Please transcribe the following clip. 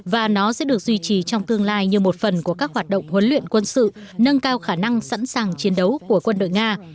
và nó sẽ được duy trì trong tương lai như một phần của các hoạt động huấn luyện quân sự nâng cao khả năng sẵn sàng chiến đấu của quân đội nga